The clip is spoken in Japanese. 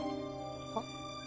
はっ？